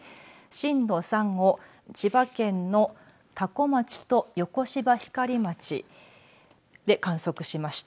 震度３を千葉県の多古町と横芝光町で観測しました。